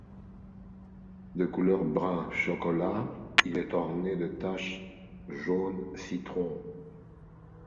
De couleur brun chocolat, il est orné de taches jaune citron.